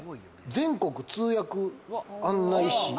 『全国通訳案内士』。